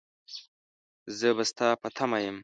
زه به ستا په تمه يم.